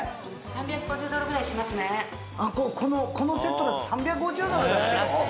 このセットだと３５０ドルだってよ